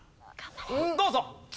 どうぞ！